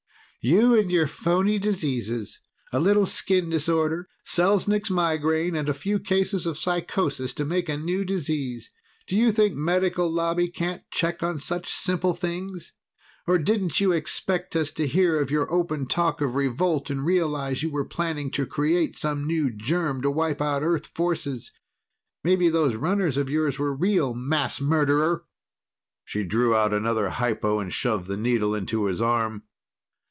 "You and your phony diseases. A little skin disorder, Selznik's migraine, and a few cases of psychosis to make a new disease. Do you think Medical Lobby can't check on such simple things? Or didn't you expect us to hear of your open talk of revolt and realize you were planning to create some new germ to wipe out the Earth forces. Maybe those runners of yours were real, mass murderer!" She drew out another hypo and shoved the needle into his arm.